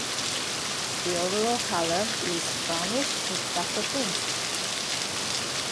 The overall colour is brownish with darker fins.